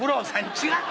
違う！